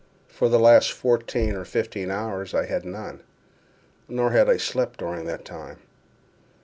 For the last fourteen or fifteen hours I had none—nor had I slept during that time.